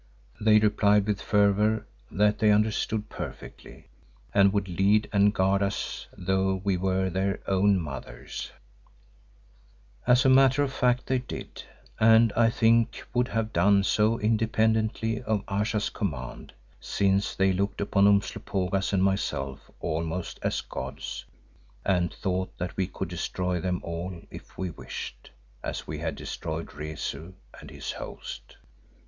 They replied with fervour that they understood perfectly and would lead and guard us as though we were their own mothers. For this see the book called "She."—Editor. As a matter of fact they did, and I think would have done so independently of Ayesha's command, since they looked upon Umslopogaas and myself almost as gods and thought that we could destroy them all if we wished, as we had destroyed Rezu and his host.